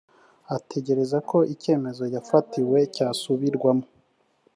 ategereza ko icyemezo yafatiwe cyasubirwamo